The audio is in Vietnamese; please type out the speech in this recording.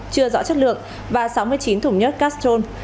chưa rõ chất lượng và sáu mươi chín thùng nhớt castrol